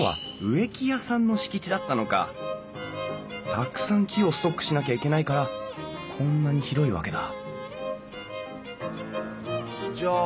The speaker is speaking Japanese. たくさん木をストックしなきゃいけないからこんなに広いわけだじゃあ